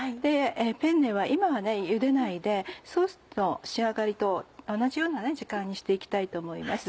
ペンネは今はゆでないでソースの仕上がりと同じような時間にして行きたいと思います。